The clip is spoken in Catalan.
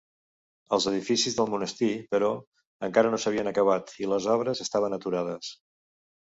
Els edificis del monestir, però, encara no s'havien acabat i les obres estaven aturades.